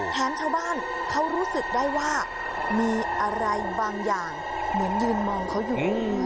ชาวบ้านเขารู้สึกได้ว่ามีอะไรบางอย่างเหมือนยืนมองเขาอยู่